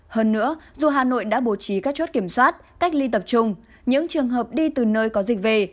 hơn nữa dù hà nội đã bố trí các chốt kiểm soát cách ly tập trung những trường hợp đi từ nơi có dịch về